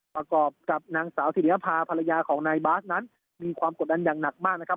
ประกอบกับนางสาวสิริยภาพภรรยาของนายบาสนั้นมีความกดดันอย่างหนักมากนะครับ